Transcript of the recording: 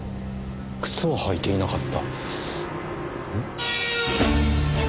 靴を履いていなかった？